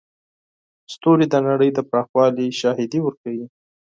ستوري د نړۍ د پراخوالي شاهدي ورکوي.